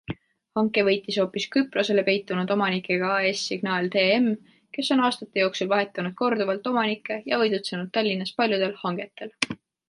Hanke võitis hoopis Küprosele peitunud omanikega AS Signaal TM, kes on aastate jooksul vahetanud korduvalt omanikke ja võidutsenud Tallinnas paljudel hangetel.